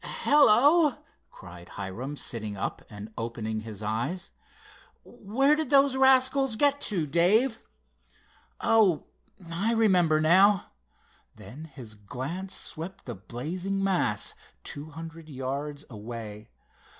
"Hello!" cried Hiram, sitting up and opening his eyes. "Where did those rascals get to, Dave? Oh, I remember now!" Then his glance swept the blazing mass two hundred yards away.